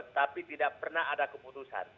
tapi tidak pernah ada keputusan